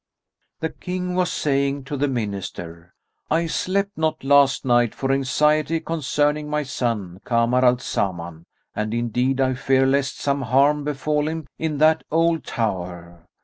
The King was saying to the Minister, "I slept not last night, for anxiety concerning my son, Kamar al Zaman and indeed I fear lest some harm befal him in that old tower.